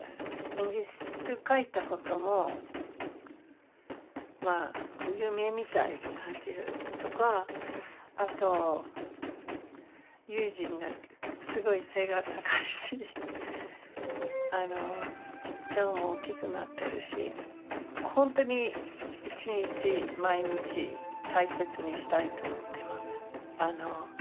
イギリス帰ったこともまあ夢みたいな感じるとかあと悠仁がすごい背が高いしジョーも大きくなってるし本当に一日毎日大切にしたいと思ってます。